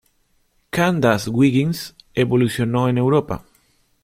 Candace Wiggins evolucionó en Europa.